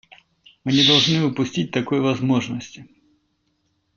Мы не должны упустить такой возможности.